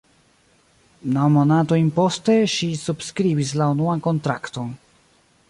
Naŭ monatojn poste, ŝi subskribis la unuan kontrakton.